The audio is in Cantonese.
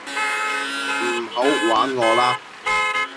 唔好玩我啦